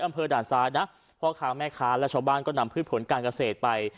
อำเภอด่านซ้ายนะพ่อค้าแม่ค้าและชาวบ้านก็นำพืชผลการเกษตรไป